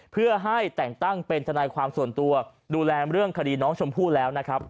เพื่อให้แต่งตั้งเป็นทนายความส่วนตัวดูแลเรื่องคดีน้องชมพู่แล้วนะครับ